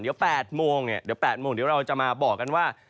เดี๋ยว๘โมงเราจะมาบอกกันว่า